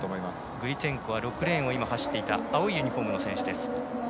グリツェンコは６レーンを走っていた青いユニフォームの選手。